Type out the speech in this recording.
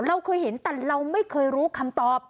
เราเคยเห็นแต่เราไม่เคยรู้คำตอบ